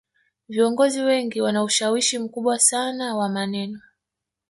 viongozi wengi wana ushawishi mkubwa sana wa maneno